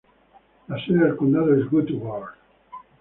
La sede del condado es Woodward.